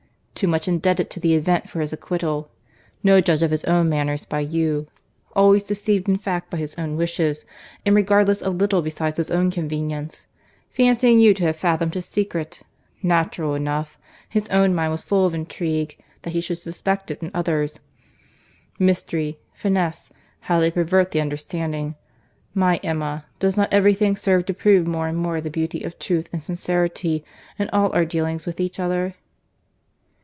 Too much indebted to the event for his acquittal.—No judge of his own manners by you.—Always deceived in fact by his own wishes, and regardless of little besides his own convenience.—Fancying you to have fathomed his secret. Natural enough!—his own mind full of intrigue, that he should suspect it in others.—Mystery; Finesse—how they pervert the understanding! My Emma, does not every thing serve to prove more and more the beauty of truth and sincerity in all our dealings with each other?"